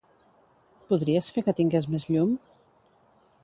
Podries fer que tingués més llum?